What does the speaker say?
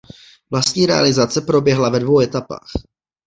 Vlastní realizace proběhla ve dvou etapách.